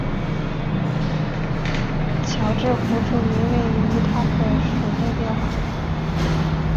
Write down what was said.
乔治湖著名于它的水位变化。